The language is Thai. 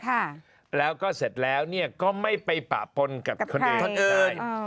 ค่ะแล้วก็เสร็จแล้วเนี่ยก็ไม่ไปปะปนกับคนอื่นคนอื่นเลย